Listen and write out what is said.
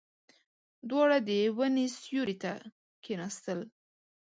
دواړه د ونې سيوري ته کېناستل.